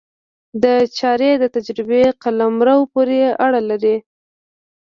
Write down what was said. دا چارې د تجربې قلمرو پورې اړه لري.